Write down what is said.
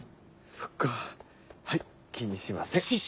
そっかはい気にしません。